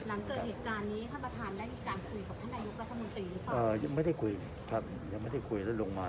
เป็นเหตุการณ์ที่ท่านประธานได้พิจารณ์คุยของผู้ใดยุครัฐมนตรีหรือเปล่า